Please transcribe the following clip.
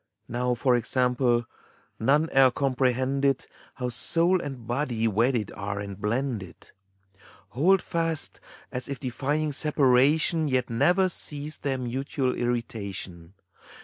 Now, for example, none e'er comprehended How soul and body wedded are and blended, — Hold fast, as if defying separation Yet never cease their mutual irritation.